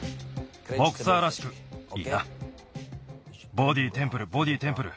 ボディーテンプルボディーテンプル。